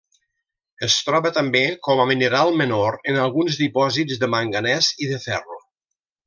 Es troba també com a mineral menor en alguns dipòsits de manganès i de ferro.